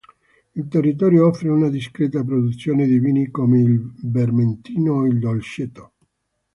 Il territorio offre una discreta produzione di vini come il Vermentino o il Dolcetto.